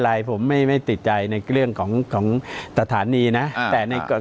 ไรผมไม่ติดใจในก็เรื่องของของตรรฐานีนะแต่ในกรณี